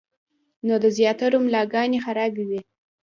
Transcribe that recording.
نو د زياترو ملاګانې خرابې وي -